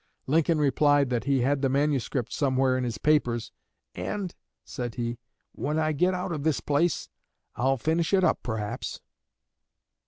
Lincoln replied that he had the manuscript somewhere in his papers, "and," said he, "when I get out of this place, I'll finish it up, perhaps."